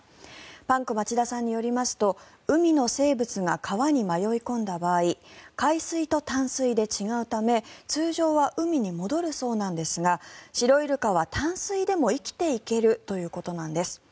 パンク町田さんによりますと海の生物が川に迷い込んだ場合海水と淡水で違うため通常は海に戻るそうなんですがシロイルカは淡水でも生きていけるということなんです。